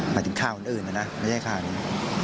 หมายถึงข้าวอื่นไม่ใช่ข้าวนี้